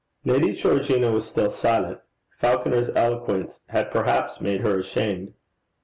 Lady Georgina was still silent. Falconer's eloquence had perhaps made her ashamed.